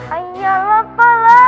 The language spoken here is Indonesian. ayalah pak lat